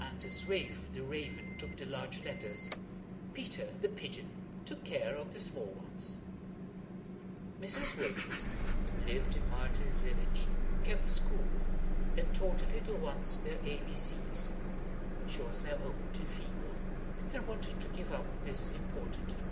And as Ralph, the raven, took the large letters, Peter, the pigeon, took care of the small ones. [Illustration: Goody warns the Squire] Mrs. Williams, who lived in Margery's village, kept school, and taught little ones their A B C's. She was now old and feeble, and wanted to give up this important trust.